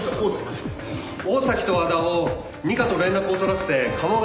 大崎と和田を二課と連絡を取らせて鴨川